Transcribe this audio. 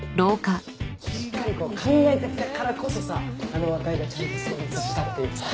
しっかりこう考えてきたからこそさあの和解がちゃんと成立したっていうかさ。